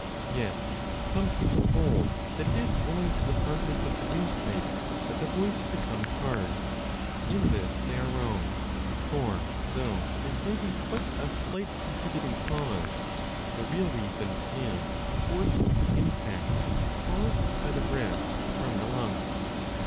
Yet some people hold that it is owing 10 to the hardness of the windpipe that the voice becomes hard. In this they are wrong ; for, though this may be quite a slight contributing cause, the real reason is the force of the impact caused by the breath from the lungs.